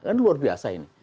kan luar biasa ini